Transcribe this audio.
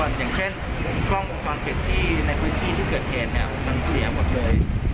อย่างเช่นกล้องวงความเกิดที่ในพื้นที่ที่เกิดแทนมันเสียหมดเลย